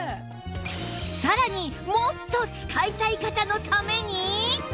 さらにもっと使いたい方のために！